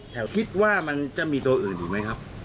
แถวคิดว่ามันจะมีตัวอื่นหรือไม่ครับ